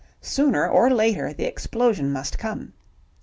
Sooner or later the explosion must come.